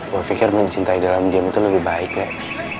gue pikir mencintai dalam diam itu lebih baik deh